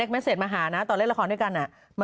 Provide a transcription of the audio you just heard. เฮ้ยยังไงอ่ะ